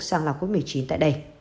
sang lọc covid một mươi chín tại đây